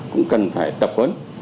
cũng cần phải tập huấn